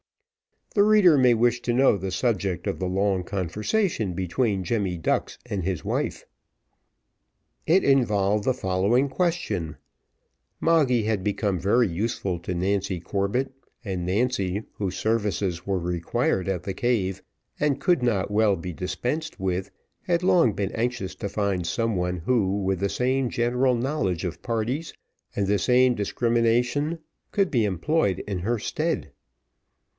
The reader may wish to know the subject of the long conversation between Jemmy Ducks and his wife. It involved the following question. Moggy had become very useful to Nancy Corbett, and Nancy, whose services were required at the cave, and could not well be dispensed with, had long been anxious to find some one, who, with the same general knowledge of parties, and the same discrimination, could be employed in her stead.